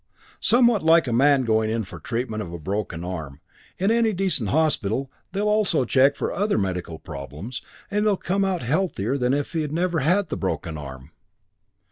"Somewhat like a man going in for treatment of a broken arm; in any decent hospital they'll also check for any other medical problems, and he'll come out healthier than if he had never had the broken arm.